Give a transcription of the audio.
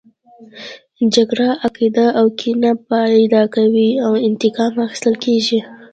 جګړه عقده او کینه پیدا کوي او انتقام اخیستل کیږي